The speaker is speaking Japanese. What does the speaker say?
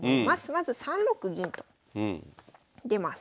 まず３六銀と出ます。